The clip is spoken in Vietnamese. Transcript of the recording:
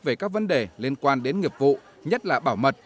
về các vấn đề liên quan đến nghiệp vụ nhất là bảo mật